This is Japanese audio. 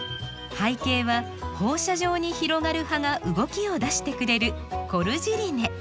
背景は放射状に広がる葉が動きを出してくれるコルジリネ。